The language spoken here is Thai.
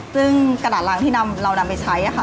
ซึ่งกระดาษรังที่เรานำไปใช้ค่ะ